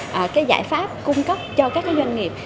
có thể có nhiều giải pháp cung cấp cho các doanh nghiệp